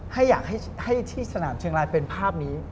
อยากให้ที่สนามเชียงรายเป็นภาพนี้